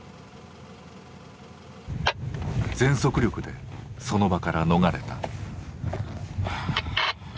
全速力でその場から逃れた。